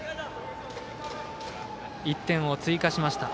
１点を追加しました。